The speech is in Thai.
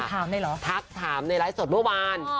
ถามได้เหรอถักถามในไล่สดเมื่อวาน